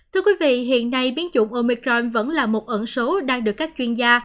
thưa quý vị hiện nay biến dụng omicron vẫn là một ẩn số đang được các chuyên gia